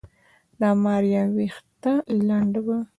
د ماريا ويښته لنده وه.